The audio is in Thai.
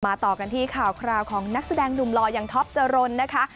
ต่อกันที่ข่าวคราวของนักแสดงหนุ่มหล่ออย่างท็อปจรนนะคะ